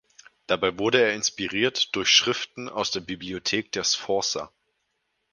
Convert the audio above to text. Dabei wurde er inspiriert durch Schriften aus der Bibliothek der Sforza.